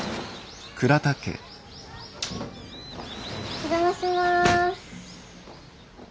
お邪魔します。